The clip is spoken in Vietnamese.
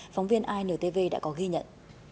phóng viên intv đã có ghi nhận